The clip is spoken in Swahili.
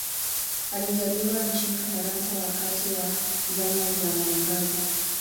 Alizaliwa nchini Ufaransa wakati wa Zama za Mwangaza.